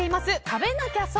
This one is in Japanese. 食べなきゃ損！